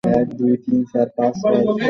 আরে মরুক গিয়ে ঐ গুপ্তা আর ওর ব্যান্ড।